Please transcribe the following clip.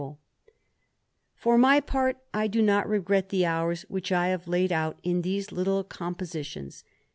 THE ADVENTURER, 267 For my part, I do not r^et the hours which I have laid out in these little compositions.